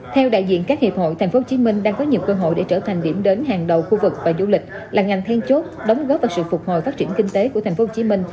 theo đại diện các hiệp hội tp hcm đang có nhiều cơ hội để trở thành điểm đến hàng đầu khu vực và du lịch là ngành thiên chốt đóng góp và sự phục hồi phát triển kinh tế của tp hcm